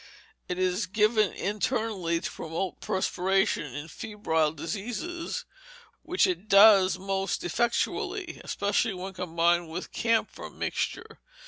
It is given internally to promote perspiration in febrile diseases, which it does most effectually, especially when combined with camphor mixture.